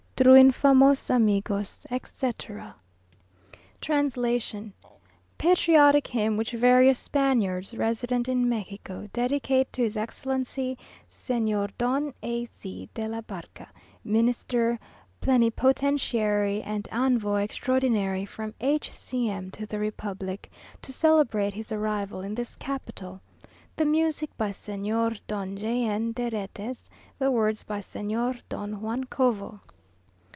Triunfamos, amigos, etc. TRANSLATION. Patriotic Hymn which various Spaniards, resident in Mexico, dedicate to his Excellency Señor Don A C de la B , Minister Plenipotentiary and Envoy Extraordinary from H. C. M. to the Republic, to celebrate his arrival in this Capital. The music by Señor Don J. N. De Retes; the words by Señor Don Juan Covo.